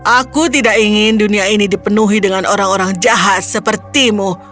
aku tidak ingin dunia ini dipenuhi dengan orang orang jahat sepertimu